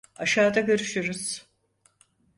Aşağıda görüşürüz.